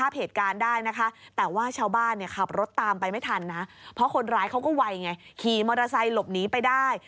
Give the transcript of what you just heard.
ไปไม่ทันนะเพราะคนร้ายเขาก็ไวไงขี่มอเตอร์ไซล์หลบหนีไปได้